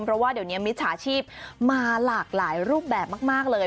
เพราะว่าเดี๋ยวนี้มิจฉาชีพมาหลากหลายรูปแบบมากเลย